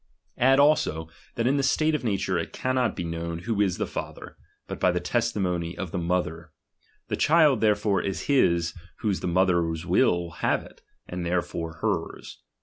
Add also, DOMINION. 117 that in the state of nature it cannot be known who is the father, but by the testimony of the mo ther ; the chikl therefore is his whose the mother will have it, and therefore her's.